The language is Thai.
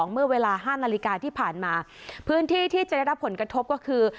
เมื่อเวลา๕นาฬิกาที่ผ่านมาพื้นที่ที่จะได้รับผลกระทบก็คือ